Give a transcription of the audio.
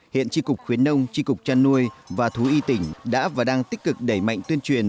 hiện tri cục khuyến nông tri cục trăn nuôi và thú y tỉnh đã và đang tích cực đẩy mạnh tuyên truyền